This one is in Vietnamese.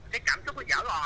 cái cảm xúc của dở lò